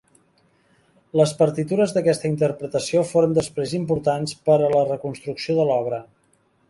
Les partitures d'aquesta interpretació foren després importants per a la reconstrucció de l'obra.